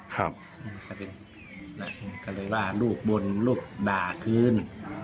ก็เลยว่าลูกบ่นลูกด่าคืน